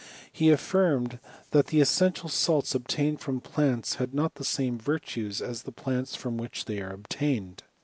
He affirmed, that the essential salts obtained from plants had not the same virtues as the plants from which they are obtained.